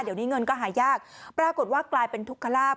เดี๋ยวนี้เงินก็หายากปรากฏว่ากลายเป็นทุกขลาบ